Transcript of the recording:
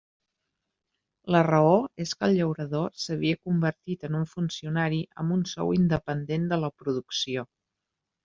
La raó és que el llaurador s'havia convertit en un funcionari amb un sou independent de la producció.